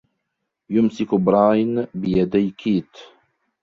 يمسك براين بِيَدَيْ كيت.